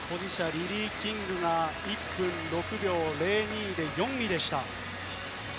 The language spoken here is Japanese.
リリー・キングが１分６秒０２で４位でした。